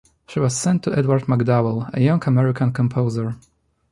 She was sent to Edward MacDowell, a young American composer.